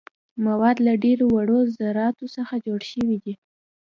مواد له ډیرو وړو ذراتو څخه جوړ شوي دي.